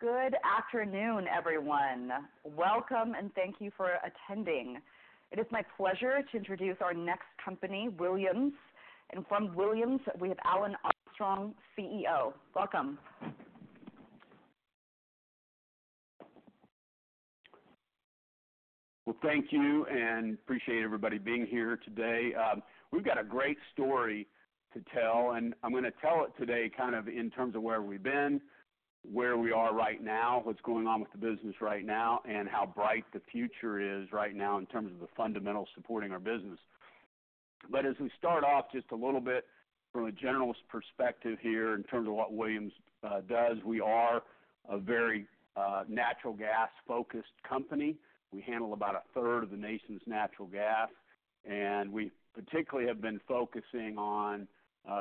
Good afternoon, everyone. Welcome, and thank you for attending. It is my pleasure to introduce our next company, Williams. And from Williams, we have Alan Armstrong, CEO. Welcome. Thank you, and appreciate everybody being here today. We've got a great story to tell, and I'm going to tell it today kind of in terms of where we've been, where we are right now, what's going on with the business right now, and how bright the future is right now in terms of the fundamentals supporting our business. As we start off, just a little bit from a generalist perspective here, in terms of what Williams does, we are a very natural gas-focused company. We handle about a third of the nation's natural gas, and we particularly have been focusing on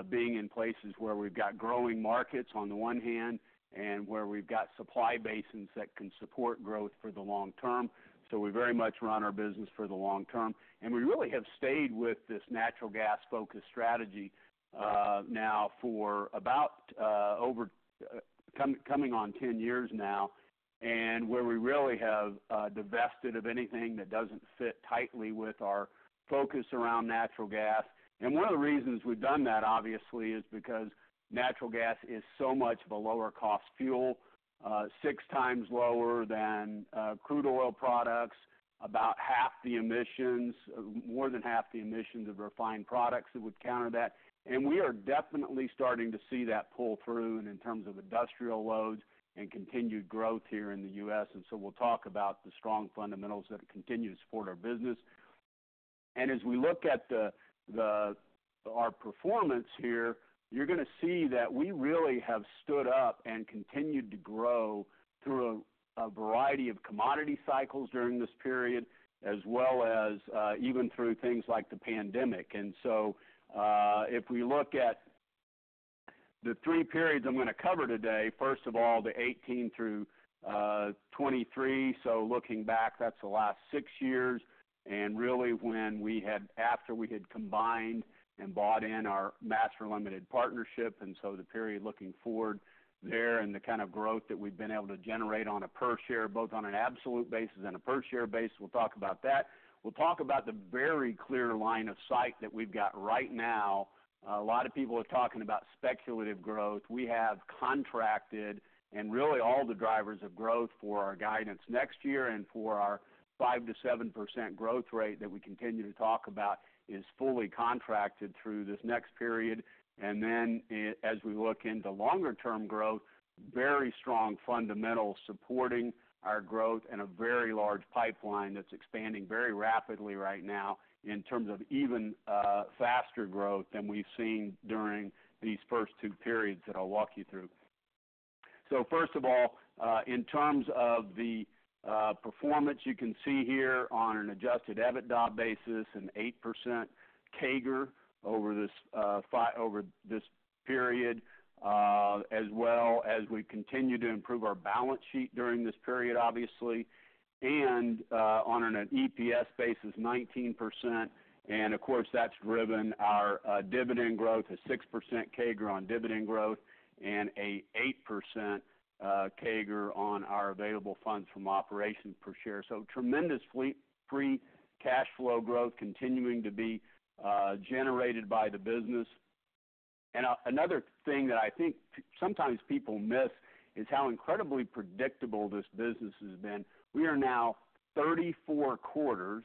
being in places where we've got growing markets on the one hand, and where we've got supply basins that can support growth for the long term. We very much run our business for the long term, and we really have stayed with this natural gas-focused strategy now for about coming on 10 years now, and where we really have divested of anything that doesn't fit tightly with our focus around natural gas. One of the reasons we've done that, obviously, is because natural gas is so much of a lower-cost fuel, 6x lower than crude oil products, about half the emissions, more than half the emissions of refined products that would counter that. We are definitely starting to see that pull through in terms of industrial loads and continued growth here in the U.S. We'll talk about the strong fundamentals that continue to support our business. As we look at our performance here, you're going to see that we really have stood up and continued to grow through a variety of commodity cycles during this period, as well as even through things like the pandemic, so if we look at the three periods I'm going to cover today, first of all, the 2018 through 2023, so looking back, that's the last six years, and really when, after we had combined and bought in our Master Limited Partnership, and so the period looking forward there and the kind of growth that we've been able to generate on a per share, both on an absolute basis and a per-share basis, we'll talk about that. We'll talk about the very clear line of sight that we've got right now. A lot of people are talking about speculative growth. We have contracted, and really, all the drivers of growth for our guidance next year and for our 5%-7% growth rate that we continue to talk about is fully contracted through this next period. And then as we look into longer-term growth, very strong fundamentals supporting our growth and a very large pipeline that's expanding very rapidly right now in terms of even, faster growth than we've seen during these first two periods that I'll walk you through. So first of all, in terms of the performance, you can see here on an Adjusted EBITDA basis, an 8% CAGR over this period, as well as we continue to improve our balance sheet during this period, obviously, and on an EPS basis, 19%. Of course, that's driven our dividend growth, a 6% CAGR on dividend growth and a 8% CAGR on our Available Funds From Operations per share. So tremendous free cash flow growth continuing to be generated by the business. Another thing that I think sometimes people miss is how incredibly predictable this business has been. We are now 34 quarters,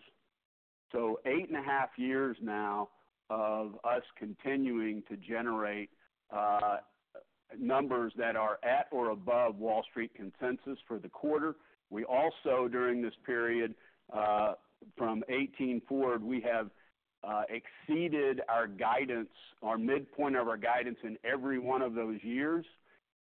so eight and a half years now, of us continuing to generate numbers that are at or above Wall Street consensus for the quarter. We also, during this period, from 2018 forward, we have exceeded our guidance, our midpoint of our guidance in every one of those years.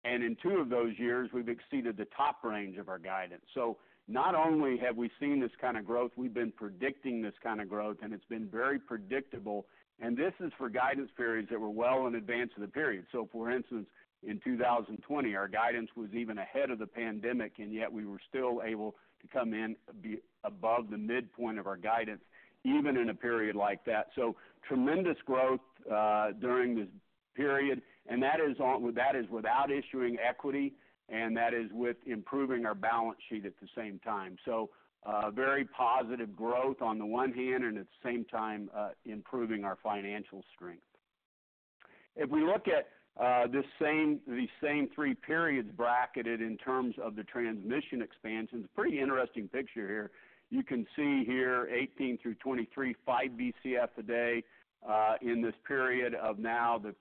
And in two of those years, we've exceeded the top range of our guidance. So not only have we seen this kind of growth, we've been predicting this kind of growth, and it's been very predictable. And this is for guidance periods that were well in advance of the period. So for instance, in 2020, our guidance was even ahead of the pandemic, and yet we were still able to come in, be above the midpoint of our guidance, even in a period like that. So tremendous growth during this period, and that is without issuing equity, and that is with improving our balance sheet at the same time. So very positive growth on the one hand, and at the same time improving our financial strength. If we look at this same, these same three periods bracketed in terms of the transmission expansion, it's a pretty interesting picture here. You can see here, 2018 through 2023, 5 Bcf a day in this period of now, the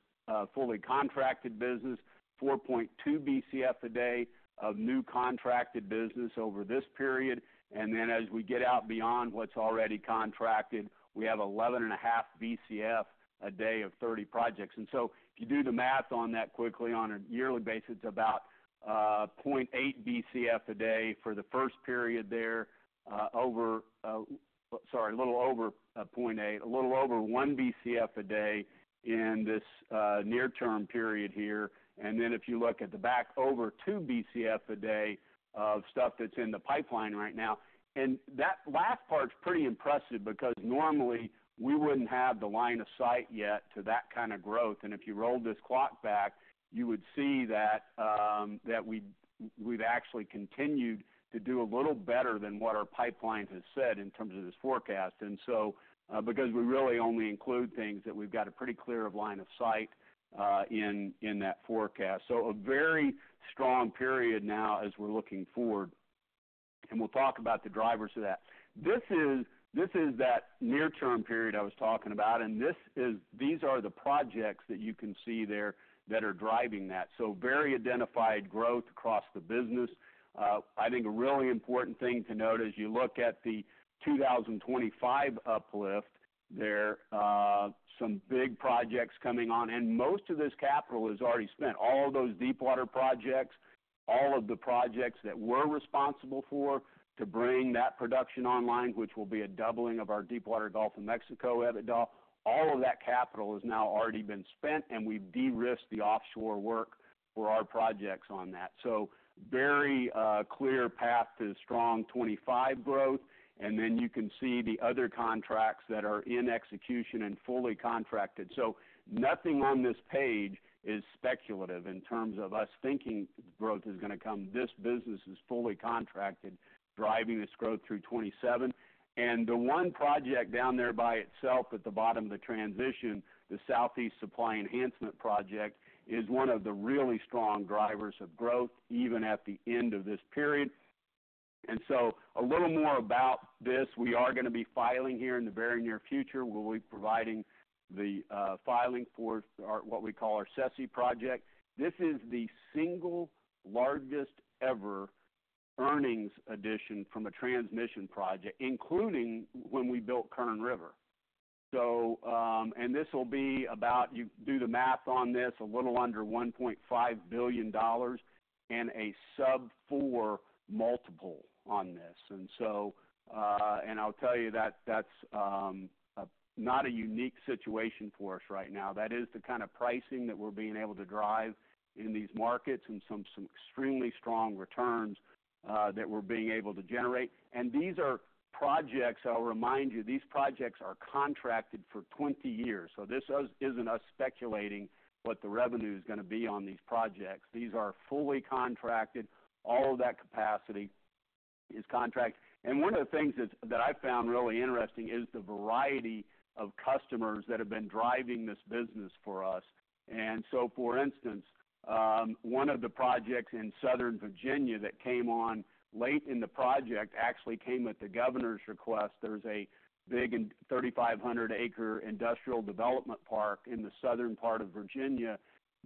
fully contracted business, 4.2 Bcf a day of new contracted business over this period. And then as we get out beyond what's already contracted, we have 11.5 Bcf a day of 30 projects. And so if you do the math on that quickly, on a yearly basis, it's about 0.8 Bcf a day for the first period there, over, sorry, a little over 0.8, a little over 1 Bcf a day in this near-term period here. And then if you look at the back, over 2 Bcf a day of stuff that's in the pipeline right now. And that last part's pretty impressive because normally we wouldn't have the line of sight yet to that kind of growth. And if you rolled this clock back, you would see that we've actually continued to do a little better than what our pipeline has said in terms of this forecast. And so, because we really only include things that we've got a pretty clear line of sight in that forecast. So a very strong period now as we're looking forward, and we'll talk about the drivers of that. This is that near-term period I was talking about, and this is these are the projects that you can see there that are driving that. So very identified growth across the business. I think a really important thing to note as you look at the 2025 uplift, there are some big projects coming on, and most of this capital is already spent. All of those deepwater projects, all of the projects that we're responsible for to bring that production online, which will be a doubling of our deepwater Gulf of Mexico EBITDA, all of that capital has now already been spent, and we've de-risked the offshore work for our projects on that. So very clear path to strong 2025 growth, and then you can see the other contracts that are in execution and fully contracted. So nothing on this page is speculative in terms of us thinking growth is going to come. This business is fully contracted, driving this growth through 2027. And the one project down there by itself at the bottom of the transition, the Southeast Supply Enhancement Project, is one of the really strong drivers of growth, even at the end of this period. And so a little more about this. We are going to be filing here in the very near future. We'll be providing the filing for our what we call our SSEP project. This is the single largest ever earnings addition from a transmission project, including when we built Kern River, so this will be about—you do the math on this—a little under $1.5 billion and a sub four multiple on this, and so I'll tell you that that's not a unique situation for us right now. That is the kind of pricing that we're being able to drive in these markets and some extremely strong returns that we're being able to generate, and these are projects. I'll remind you, these projects are contracted for 20 years, so this isn't us speculating what the revenue is going to be on these projects. These are fully contracted. All of that capacity is contracted. And one of the things that I found really interesting is the variety of customers that have been driving this business for us. And so, for instance, one of the projects in southern Virginia that came on late in the project actually came at the governor's request. There's a big 350-acre industrial development park in the southern part of Virginia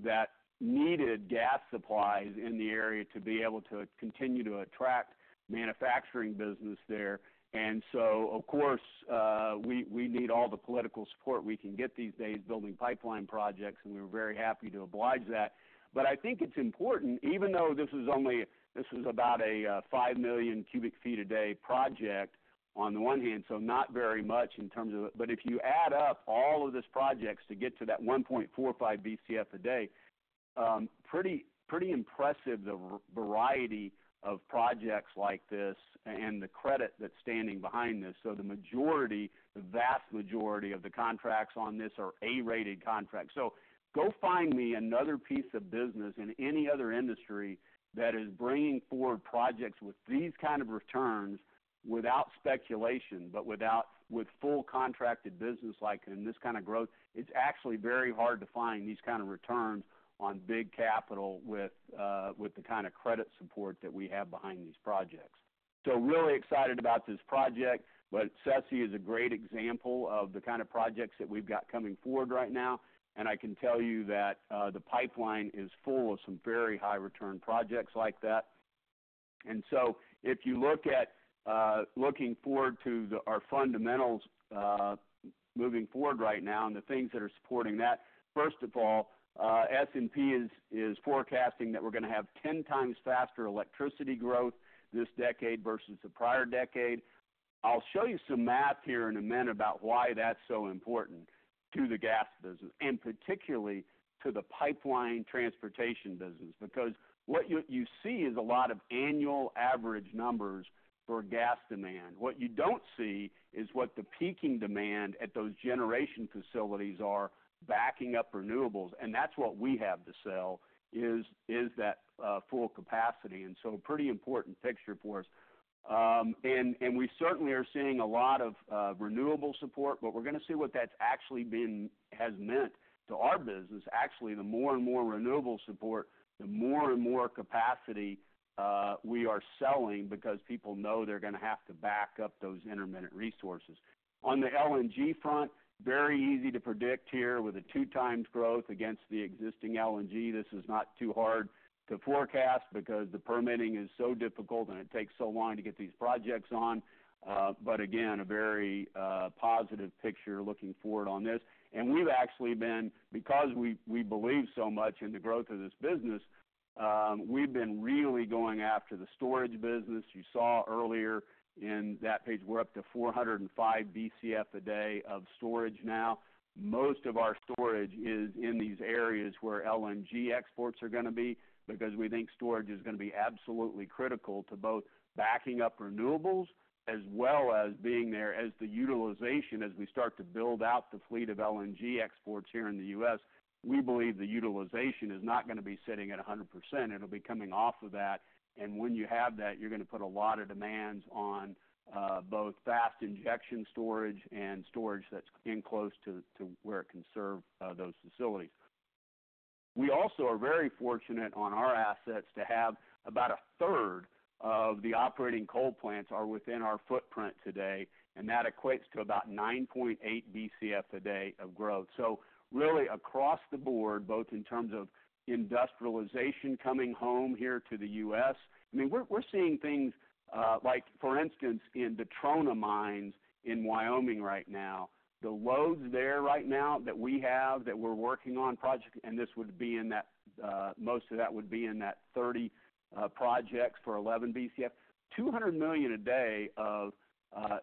that needed gas supplies in the area to be able to continue to attract manufacturing business there. And so, of course, we need all the political support we can get these days building pipeline projects, and we're very happy to oblige that. But I think it's important, even though this is only this is about a five million cubic feet a day project on the one hand, so not very much in terms of... But if you add up all of these projects to get to that 1.45 Bcf a day, pretty, pretty impressive, the variety of projects like this and the credit that's standing behind this. So the majority, the vast majority of the contracts on this are A-rated contracts. So go find me another piece of business in any other industry that is bringing forward projects with these kind of returns without speculation, with full contracted business like, and this kind of growth. It's actually very hard to find these kind of returns on big capital with, with the kind of credit support that we have behind these projects. So really excited about this project, but SESI is a great example of the kind of projects that we've got coming forward right now. And I can tell you that the pipeline is full of some very high return projects like that. And so if you look at our fundamentals moving forward right now and the things that are supporting that, first of all, S&P is forecasting that we're going to have 10x faster electricity growth this decade versus the prior decade. I'll show you some math here in a minute about why that's so important to the gas business, and particularly to the pipeline transportation business, because what you see is a lot of annual average numbers for gas demand. What you don't see is what the peaking demand at those generation facilities are backing up renewables, and that's what we have to sell, is that full capacity, and so pretty important picture for us. And we certainly are seeing a lot of renewable support, but we're going to see what that's actually has meant to our business. Actually, the more and more renewable support, the more and more capacity we are selling because people know they're going to have to back up those intermittent resources. On the LNG front, very easy to predict here with a 2x growth against the existing LNG. This is not too hard to forecast because the permitting is so difficult, and it takes so long to get these projects on. But again, a very positive picture looking forward on this. And we've actually been, because we believe so much in the growth of this business, we've been really going after the storage business. You saw earlier in that page, we're up to 405 Bcf/day of storage now. Most of our storage is in these areas where LNG exports are going to be, because we think storage is going to be absolutely critical to both backing up renewables as well as being there as the utilization, as we start to build out the fleet of LNG exports here in the U.S., we believe the utilization is not going to be sitting at 100%. It'll be coming off of that. And when you have that, you're going to put a lot of demands on both fast injection storage and storage that's in close to where it can serve those facilities. We also are very fortunate on our assets to have about a third of the operating coal plants are within our footprint today, and that equates to about 9.8 Bcf a day of growth. So really, across the board, both in terms of industrialization coming home here to the U.S., I mean, we're seeing things like for instance, in the trona mines in Wyoming right now, the loads there right now that we have, that we're working on project, and this would be in that, most of that would be in that 30 projects for 11 Bcf. 200 million a day of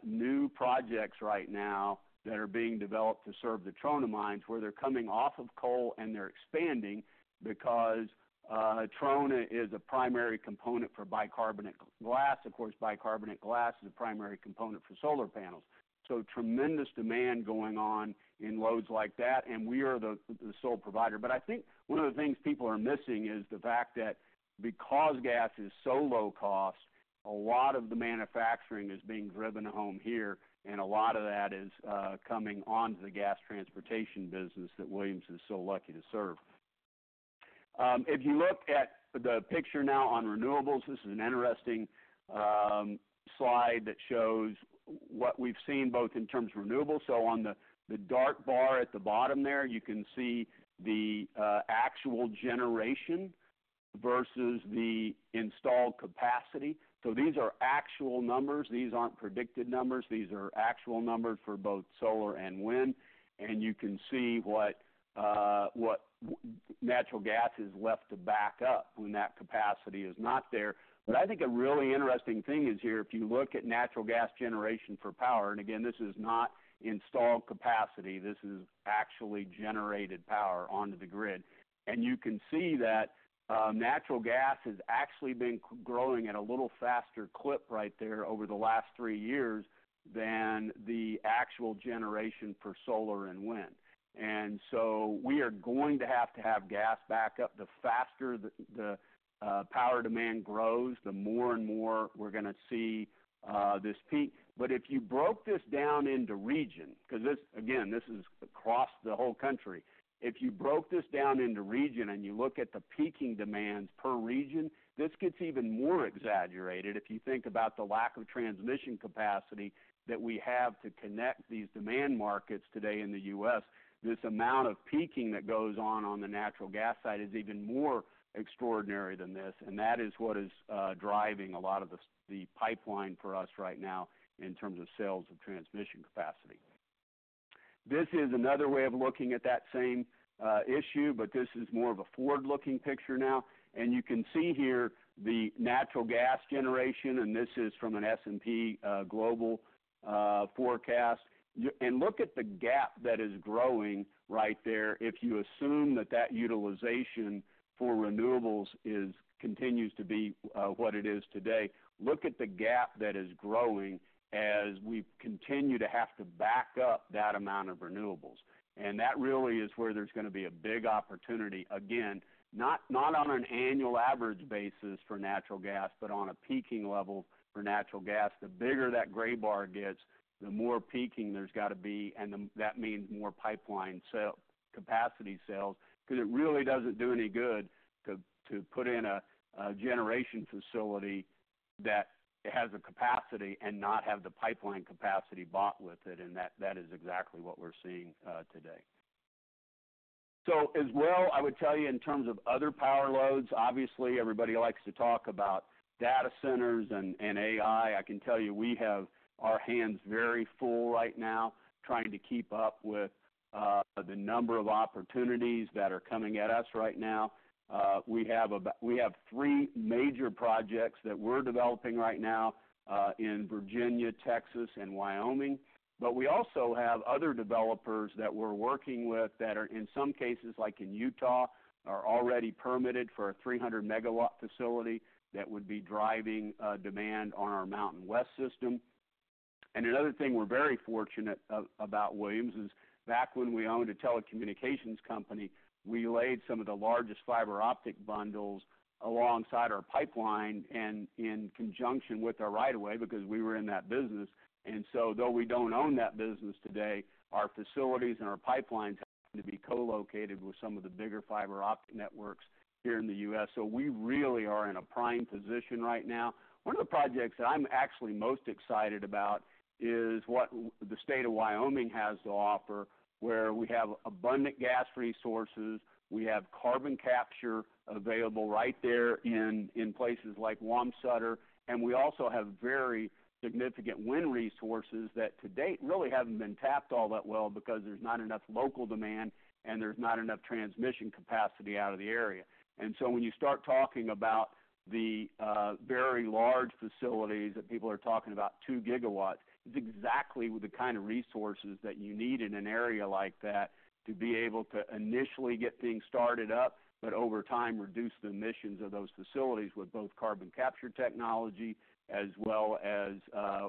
new projects right now that are being developed to serve the trona mines, where they're coming off of coal and they're expanding, because trona is a primary component for bicarbonate glass. Of course, bicarbonate glass is a primary component for solar panels, so tremendous demand going on in loads like that, and we are the sole provider, but I think one of the things people are missing is the fact that because gas is so low cost, a lot of the manufacturing is being driven home here, and a lot of that is coming onto the gas transportation business that Williams is so lucky to serve. If you look at the picture now on renewables, this is an interesting slide that shows what we've seen both in terms of renewables, so on the dark bar at the bottom there, you can see the actual generation versus the installed capacity, so these are actual numbers. These aren't predicted numbers. These are actual numbers for both solar and wind, and you can see what natural gas is left to back up when that capacity is not there. But I think a really interesting thing is here if you look at natural gas generation for power, and again, this is not installed capacity, this is actually generated power onto the grid. And you can see that natural gas has actually been growing at a little faster clip right there over the last three years than the actual generation for solar and wind. And so we are going to have to have gas back up. The faster the power demand grows, the more and more we're going to see this peak. But if you broke this down into region, 'cause this again, this is across the whole country. If you broke this down into region and you look at the peaking demands per region, this gets even more exaggerated. If you think about the lack of transmission capacity that we have to connect these demand markets today in the U.S., this amount of peaking that goes on the natural gas side is even more extraordinary than this, and that is what is driving a lot of the pipeline for us right now in terms of sales and transmission capacity. This is another way of looking at that same issue, but this is more of a forward-looking picture now, and you can see here the natural gas generation, and this is from an S&P Global forecast, and look at the gap that is growing right there. If you assume that that utilization for renewables is, continues to be, what it is today, look at the gap that is growing as we continue to have to back up that amount of renewables. And that really is where there's going to be a big opportunity. Again, not, not on an annual average basis for natural gas, but on a peaking level for natural gas. The bigger that gray bar gets, the more peaking there's got to be, and then that means more pipeline sale, capacity sales, 'cause it really doesn't do any good to, to put in a, a generation facility that has the capacity and not have the pipeline capacity bought with it, and that, that is exactly what we're seeing, today. So as well, I would tell you in terms of other power loads. Obviously, everybody likes to talk about data centers and AI. I can tell you, we have our hands very full right now, trying to keep up with the number of opportunities that are coming at us right now. We have three major projects that we're developing right now in Virginia, Texas, and Wyoming. But we also have other developers that we're working with that are, in some cases, like in Utah, already permitted for a three hundred megawatt facility that would be driving demand on our MountainWest system. And another thing we're very fortunate about Williams is, back when we owned a telecommunications company, we laid some of the largest fiber optic bundles alongside our pipeline and in conjunction with our right of way, because we were in that business. And so though we don't own that business today, our facilities and our pipelines happen to be co-located with some of the bigger fiber optic networks here in the U.S. So we really are in a prime position right now. One of the projects that I'm actually most excited about is what the state of Wyoming has to offer, where we have abundant gas resources, we have carbon capture available right there in places like Wamsutter, and we also have very significant wind resources that to date, really haven't been tapped all that well because there's not enough local demand and there's not enough transmission capacity out of the area. And so when you start talking about the very large facilities that people are talking about, two gigawatts, it's exactly the kind of resources that you need in an area like that to be able to initially get things started up, but over time, reduce the emissions of those facilities with both carbon capture technology as well as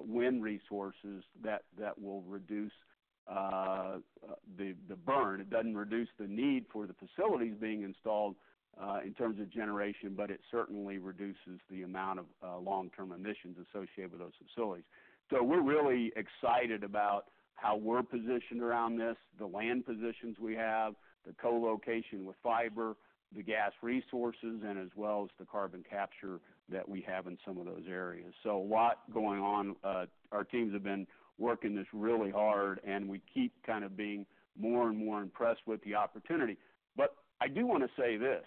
wind resources that will reduce the burn. It doesn't reduce the need for the facilities being installed in terms of generation, but it certainly reduces the amount of long-term emissions associated with those facilities, so we're really excited about how we're positioned around this, the land positions we have, the co-location with fiber, the gas resources, and as well as the carbon capture that we have in some of those areas, so a lot going on. Our teams have been working this really hard, and we keep kind of being more and more impressed with the opportunity, but I do want to say this,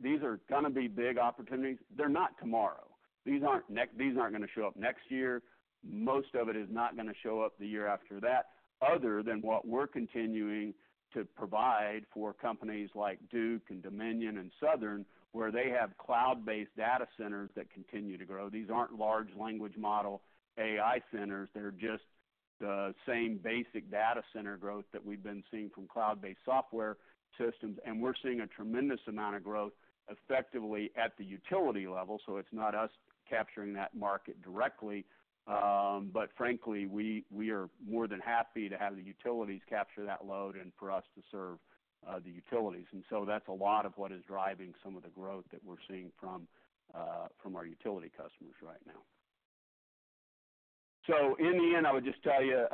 these are gonna be big opportunities. They're not tomorrow. These aren't going to show up next year. Most of it is not going to show up the year after that, other than what we're continuing to provide for companies like Duke and Dominion and Southern, where they have cloud-based data centers that continue to grow. These aren't large language model AI centers. They're just the same basic data center growth that we've been seeing from cloud-based software systems, and we're seeing a tremendous amount of growth effectively at the utility level. So it's not us capturing that market directly, but frankly, we are more than happy to have the utilities capture that load and for us to serve the utilities. And so that's a lot of what is driving some of the growth that we're seeing from our utility customers right now. So in the end, I would just tell you,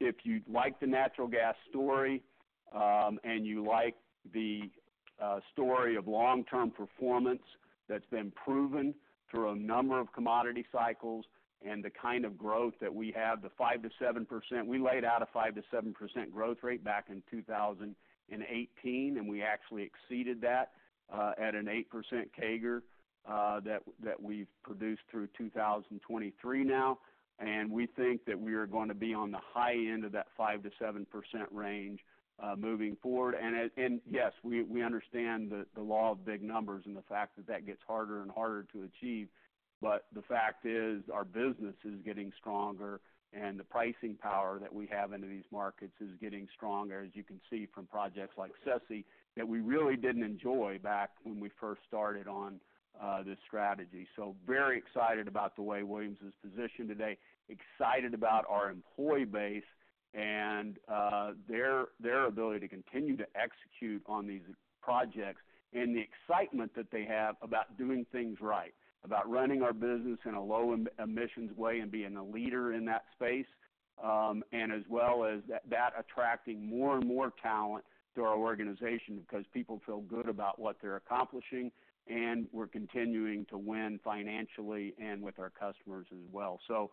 if you like the natural gas story, and you like the story of long-term performance that's been proven through a number of commodity cycles and the kind of growth that we have, the 5%-7%. We laid out a 5%-7% growth rate back in 2018, and we actually exceeded that, at an 8% CAGR, that we've produced through 2023 now, and we think that we are going to be on the high end of that 5%-7% range, moving forward. And yes, we understand the law of big numbers and the fact that that gets harder and harder to achieve, but the fact is, our business is getting stronger, and the pricing power that we have into these markets is getting stronger, as you can see from projects like SESI, that we really didn't enjoy back when we first started on this strategy. So very excited about the way Williams is positioned today, excited about our employee base and their ability to continue to execute on these projects, and the excitement that they have about doing things right, about running our business in a low emissions way and being a leader in that space. And as well as that, attracting more and more talent to our organization because people feel good about what they're accomplishing, and we're continuing to win financially and with our customers as well. So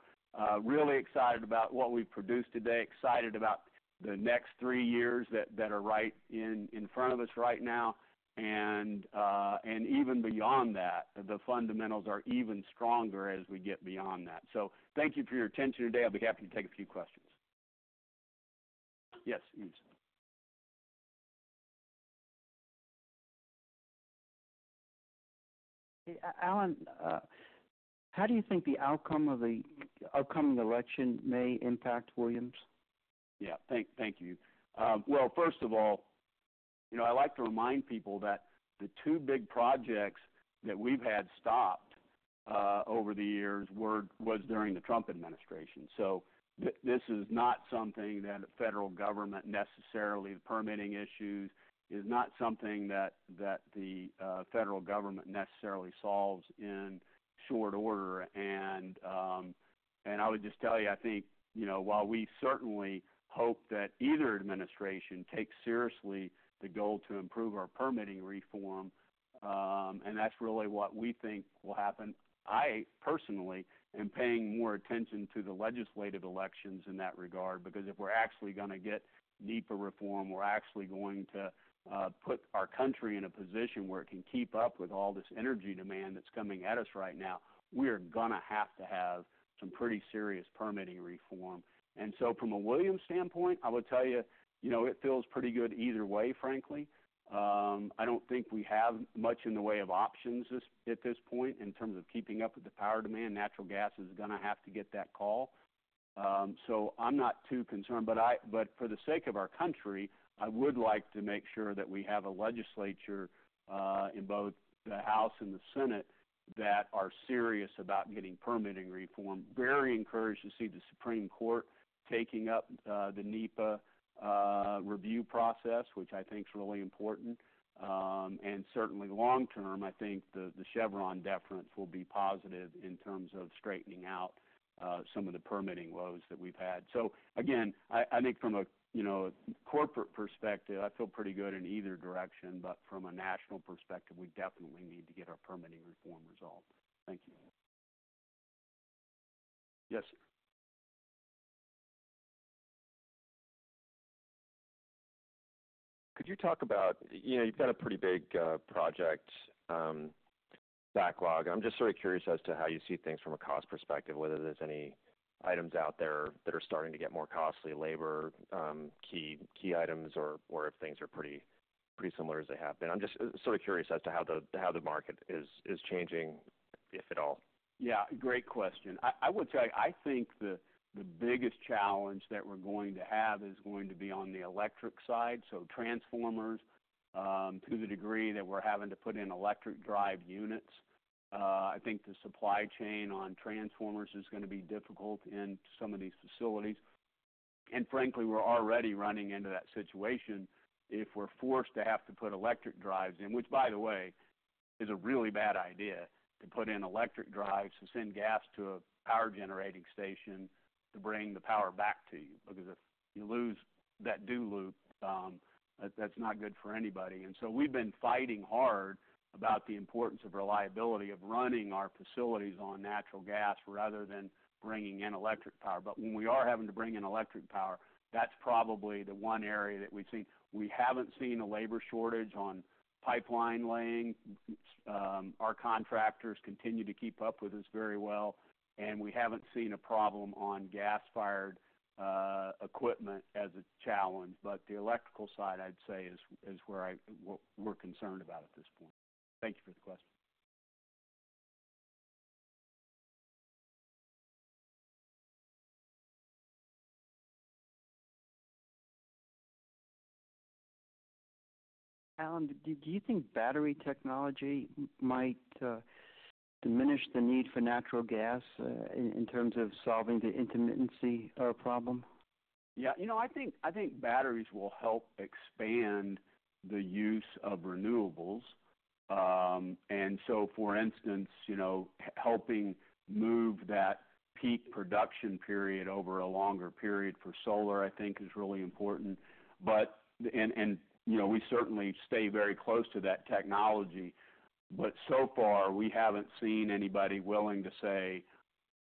really excited about what we've produced today, excited about the next three years that are right in front of us right now. And even beyond that, the fundamentals are even stronger as we get beyond that. So thank you for your attention today. I'll be happy to take a few questions. Yes, please. Alan, how do you think the outcome of the upcoming election may impact Williams? Yeah. Thank you. Well, first of all, you know, I like to remind people that the two big projects that we've had stopped over the years were during the Trump administration. Permitting issues is not something that the federal government necessarily solves in short order. And I would just tell you, I think, you know, while we certainly hope that either administration takes seriously the goal to improve our permitting reform, and that's really what we think will happen. I personally am paying more attention to the legislative elections in that regard, because if we're actually going to get NEPA reform, we're actually going to put our country in a position where it can keep up with all this energy demand that's coming at us right now, we are going to have to have some pretty serious permitting reform. And so from a Williams standpoint, I would tell you, you know, it feels pretty good either way, frankly. I don't think we have much in the way of options at this point in terms of keeping up with the power demand. Natural gas is going to have to get that call. So I'm not too concerned, but for the sake of our country, I would like to make sure that we have a legislature in both the House and the Senate that are serious about getting permitting reform. Very encouraged to see the Supreme Court taking up the NEPA review process, which I think is really important, and certainly long term, I think the Chevron deference will be positive in terms of straightening out some of the permitting woes that we've had, so again, I think from a you know, corporate perspective, I feel pretty good in either direction. But from a national perspective, we definitely need to get our permitting reform resolved. Thank you. Yes, sir. Could you talk about, you know, you've got a pretty big project backlog. I'm just sort of curious as to how you see things from a cost perspective, whether there's any items out there that are starting to get more costly, labor, key items, or if things are pretty similar as they have been. I'm just sort of curious as to how the market is changing, if at all. Yeah, great question. I would say I think the biggest challenge that we're going to have is going to be on the electric side. So transformers, to the degree that we're having to put in electric drive units, I think the supply chain on transformers is going to be difficult in some of these facilities, and frankly, we're already running into that situation. If we're forced to have to put electric drives in, which, by the way, is a really bad idea, to put in electric drives to send gas to a power generating station, to bring the power back to you, because if you lose that dual loop, that's not good for anybody. And so we've been fighting hard about the importance of reliability, of running our facilities on natural gas rather than bringing in electric power. But when we are having to bring in electric power, that's probably the one area that we've seen. We haven't seen a labor shortage on pipeline laying. Our contractors continue to keep up with us very well, and we haven't seen a problem on gas-fired equipment as a challenge. But the electrical side, I'd say, is where we're concerned about at this point. Thank you for the question. Alan, do you think battery technology might diminish the need for natural gas in terms of solving the intermittency problem? Yeah. You know, I think batteries will help expand the use of renewables. And so for instance, you know, helping move that peak production period over a longer period for solar, I think is really important. But-- You know, we certainly stay very close to that technology, but so far, we haven't seen anybody willing to say,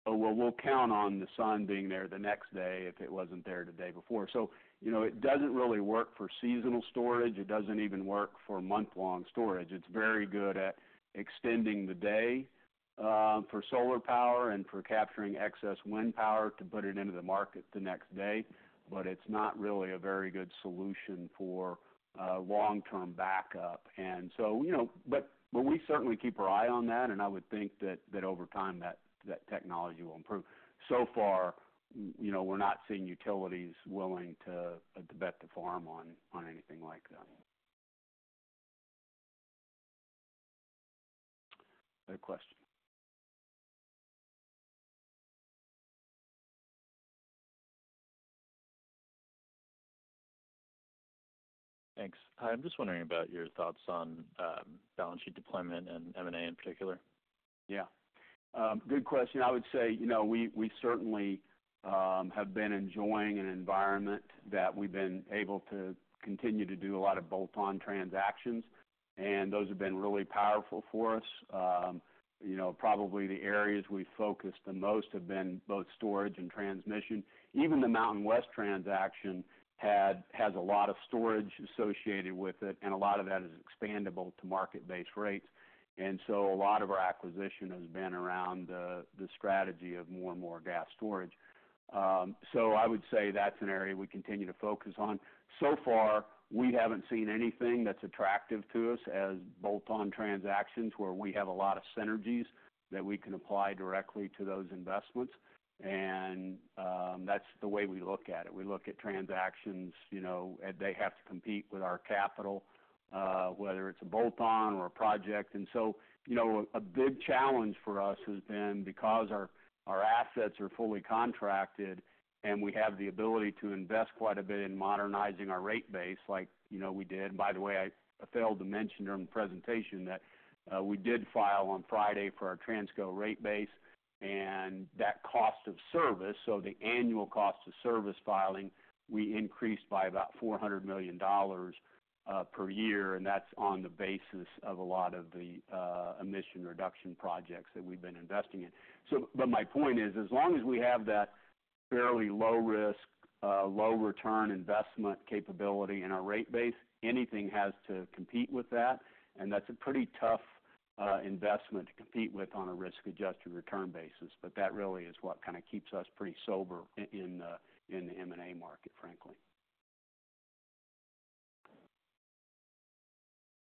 "Well, we'll count on the sun being there the next day if it wasn't there the day before." So, you know, it doesn't really work for seasonal storage. It doesn't even work for month-long storage. It's very good at extending the day for solar power and for capturing excess wind power to put it into the market the next day, but it's not really a very good solution for long-term backup. So, you know, but we certainly keep our eye on that, and I would think that over time, that technology will improve. So far, you know, we're not seeing utilities willing to bet the farm on anything like that. Any other question? Thanks. I'm just wondering about your thoughts on balance sheet deployment and M&A in particular. Yeah. Good question. I would say, you know, we certainly have been enjoying an environment that we've been able to continue to do a lot of bolt-on transactions, and those have been really powerful for us. You know, probably the areas we've focused the most have been both storage and transmission. Even the MountainWest transaction has a lot of storage associated with it, and a lot of that is expandable to market-based rates, and so a lot of our acquisition has been around the strategy of more and more gas storage, so I would say that's an area we continue to focus on. So far, we haven't seen anything that's attractive to us as bolt-on transactions, where we have a lot of synergies that we can apply directly to those investments, and that's the way we look at it. We look at transactions, you know, and they have to compete with our capital, whether it's a bolt-on or a project. And so, you know, a big challenge for us has been because our assets are fully contracted, and we have the ability to invest quite a bit in modernizing our rate base, like, you know, we did. By the way, I failed to mention during the presentation that we did file on Friday for our Transco rate base and that cost of service, so the annual cost of service filing, we increased by about $400 million per year, and that's on the basis of a lot of the emission reduction projects that we've been investing in. But my point is, as long as we have that fairly low risk, low return investment capability in our rate base, anything has to compete with that, and that's a pretty tough investment to compete with on a risk-adjusted return basis. But that really is what kind of keeps us pretty sober in the M&A market, frankly.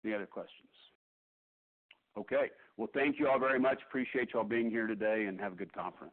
Any other questions? Okay. Well, thank you all very much. Appreciate you all being here today, and have a good conference.